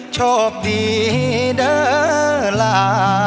โชคดีเดอร์ล่า